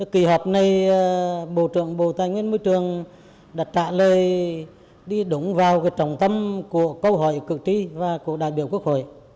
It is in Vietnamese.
kỳ họp này bộ trưởng bộ tài nguyên môi trường đã trả lời đi đúng vào trọng tâm của câu hỏi cực kỳ và của đại biểu quốc hội